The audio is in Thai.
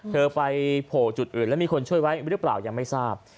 เธอไปโผล่จุดอื่นแล้วมีคนช่วยไว้หรือเปล่ายังไม่ทราบ